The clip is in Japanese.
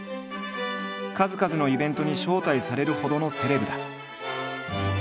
数々のイベントに招待されるほどのセレブだ。